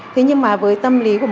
thế nhưng mà với tâm lý của một